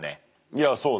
いやそうね。